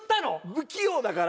不器用だから。